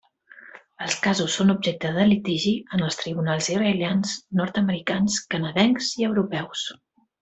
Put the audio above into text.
Els casos són objecte de litigi en els tribunals israelians, nord-americans, canadencs i europeus.